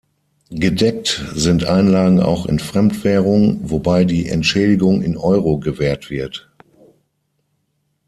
Gedeckt sind Einlagen auch in Fremdwährung, wobei die Entschädigung in Euro gewährt wird.